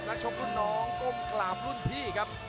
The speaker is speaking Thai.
ชกรุ่นน้องก้มกราบรุ่นพี่ครับ